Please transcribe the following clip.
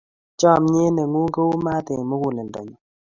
chamiet ne ng'un ko u mat eng' mugulelgo nyu